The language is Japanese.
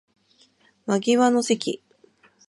窓際の席